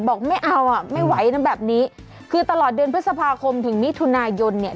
บอกไม่เอาอ่ะไม่ไหวนะแบบนี้คือตลอดเดือนพฤษภาคมถึงมิถุนายนเนี่ย